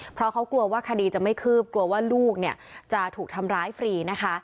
เพราะเขากลัวว่าคดีจะไม่คืบกลัวว่าลูกเนี่ยจะถูกทำร้ายฟรีนะคะ